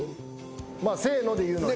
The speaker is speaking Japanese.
まあせので言うのは。